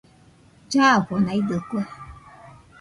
Llafonaidɨkue